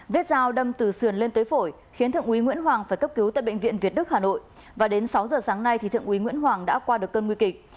vết dao đâm từ sườn lên tới phổi khiến thượng úy nguyễn hoàng phải cấp cứu tại bệnh viện việt đức hà nội và đến sáu giờ sáng nay thượng úy nguyễn hoàng đã qua được cơn nguy kịch